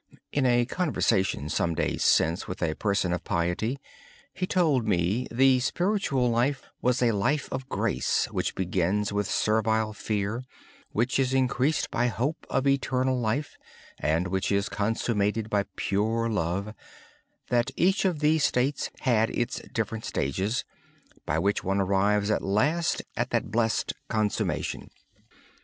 In conversation some days ago a devout person told me the spiritual life was a life of grace, which begins with servile fear, which is increased by hope of eternal life, and which is consummated by pure love; that each of these states had its different steps, by which one arrives at last at that blessed consummation.